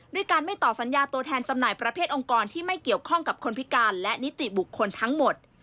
ด้วยการไม่ต่อสัญญาตัวแทนจำหน่ายประเภทองค์กรที่ไม่เกี่ยวข้องกับคนพิการและนิติบุคคลทั้งหมด